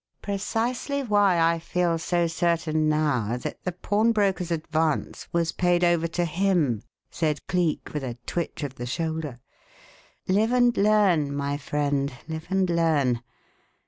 "Precisely why I feel so certain now that the pawnbroker's 'advance' was paid over to him," said Cleek, with a twitch of the shoulder. "Live and learn, my friend, live and learn.